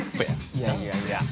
いやいやいや。